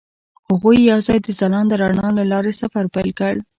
هغوی یوځای د ځلانده رڼا له لارې سفر پیل کړ.